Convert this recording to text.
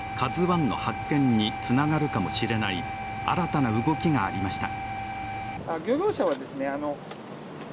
「ＫＡＺＵⅠ」の発見につながるかもしれない新たな動きがありました。